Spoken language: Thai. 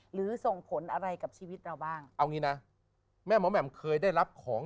หรือส่งผลอะไรกับชีวิตเราบ้างเอางี้นะแม่หมอแหม่มเคยได้รับของ